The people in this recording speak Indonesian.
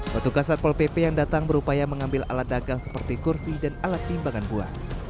petugas satpol pp yang datang berupaya mengambil alat dagang seperti kursi dan alat timbangan buah